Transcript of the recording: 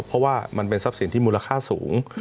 เพราะว่ามันเป็นทรัพย์สินที่มูลค่าสูง